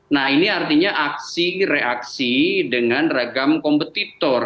nah ini artinya aksi reaksi dengan ragam kompetitor